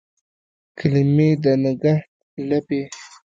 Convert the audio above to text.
کلمې د نګهت لپې